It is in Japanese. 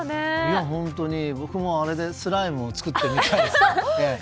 僕もあれでスライムを作ってみたいですね。